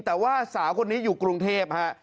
แต่ว่าสาวคนนี้อยู่กรุงเทพฮะ